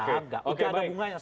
udah ada bunganya sama sekali